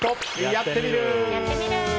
「やってみる。」。